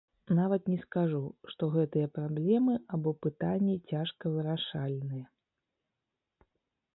Нават не скажу, што гэтыя праблемы або пытанні цяжка вырашальныя.